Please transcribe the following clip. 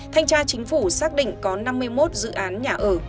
thanh tra chính phủ xác định có năm mươi một dự án nhà ở